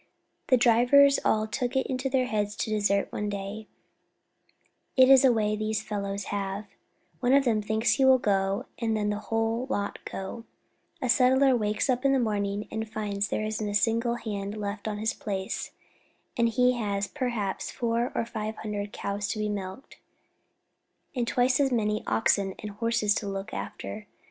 The drivers all took it into their head to desert one day it's a way these fellows have, one of them thinks he will go, and then the whole lot go, and a settler wakes up in the morning and finds that there isn't a single hand left on his place, and he has perhaps four or five hundred cows to be milked, and twice as many oxen and horses to look after.